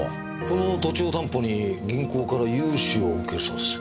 この土地を担保に銀行から融資を受けるそうです。